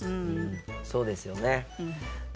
そうですよね。